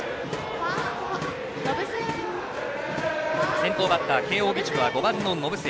先頭バッター、慶応義塾は５番の延末。